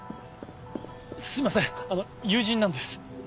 すいません友人なんです。